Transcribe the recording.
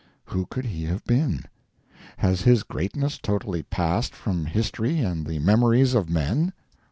Who could he have been? Has his greatness totally passed from history and the memories of men?